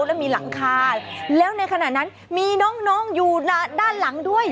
แล้วมีหลังคาแล้วในขณะนั้นมีน้องน้องอยู่ด้านหลังด้วย